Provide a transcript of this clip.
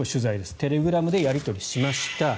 テレグラムでやり取りしました。